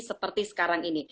seperti sekarang ini